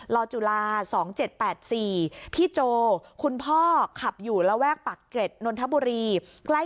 จุฬา๒๗๘๔พี่โจคุณพ่อขับอยู่ระแวกปากเกร็ดนนทบุรี